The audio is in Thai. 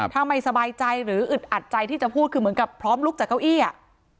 ถ้าไม่สบายใจหรืออึดอัดใจที่จะพูดคือเหมือนกับพร้อมลุกจากเก้าอี้อ่ะ